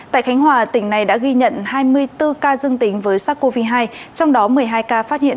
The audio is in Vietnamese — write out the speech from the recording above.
tại khánh hòa tỉnh này đã ghi nhận hai mươi bốn ca dương tính với sars cov hai trong đó một mươi hai ca phát hiện